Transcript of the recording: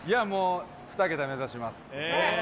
２桁目指します。